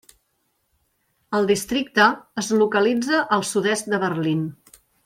El districte es localitza al sud-est de Berlín.